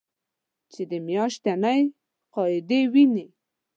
چې د میاشتنۍ قاعدې وینې